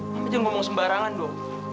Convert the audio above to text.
kamu jangan ngomong sembarangan dong